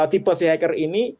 tipe si hacker ini